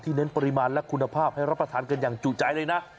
เน้นปริมาณและคุณภาพให้รับประทานกันอย่างจุใจเลยนะ